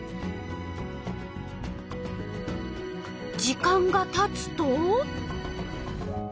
時間がたつと。